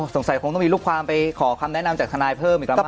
สงสัยคงต้องมีลูกความไปขอคำแนะนำจากทนายเพิ่มอีกแล้วมั